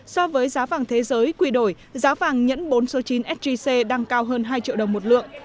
so với giá vàng thế giới quy đổi giá vàng nhẫn bốn số chín sgc đang cao hơn hai triệu đồng một lượng